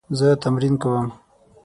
زه تمرین کوم